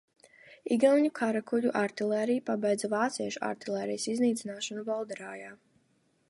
Igauņu karakuģu artilērija pabeidza vāciešu artilērijas iznīcināšanu Bolderājā.